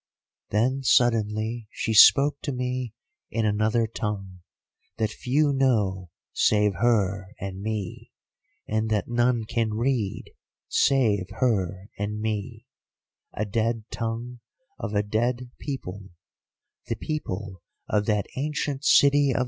"Then suddenly she spoke to me in another tongue, that few know save her and me, and that none can read save her and me, a dead tongue of a dead people, the people of that ancient City of the Rock, whence all our fathers came.